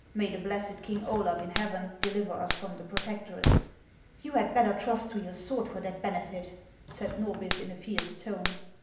May the blessed king Olaf, in heaven, deliver us from the protectorate !"" You had better trust to your sword for that benefit !" said Norbith, in a fierce tone.